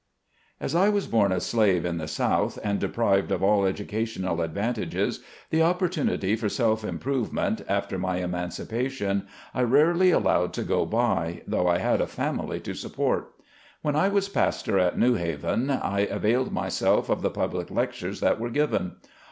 jS I was born a slave in the South and deprived of all educational advantages, the oppor tunity for self improvement, after my emancipation, I rarely allowed to go by, though I had a family to support. When I was pastor in New Haven I availed myself of the public lectures that were given.